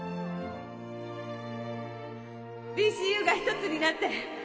ＤＣＵ が一つになって